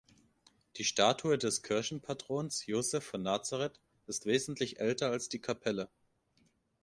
Die Statue des Kirchenpatrons Josef von Nazaret ist wesentlich älter als die Kapelle.